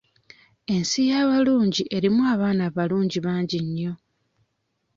Ensi y'abalungi erimu abaana abalungi bangi nnyo.